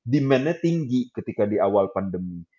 demandnya tinggi ketika di awal pandemi